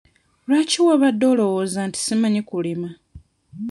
Lwaki wabadde olowooza nti simanyi kulima?